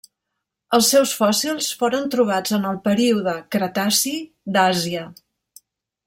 Els seus fòssils foren trobats en el període Cretaci d'Àsia.